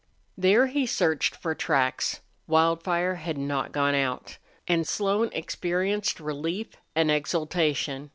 There he searched for tracks. Wildfire had not gone out, and Slone experienced relief and exultation.